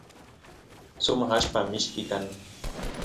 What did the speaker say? sumaq allpa mishki kan